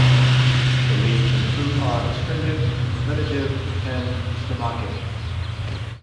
The leaves and fruit are astringent, lenitive and stomachic.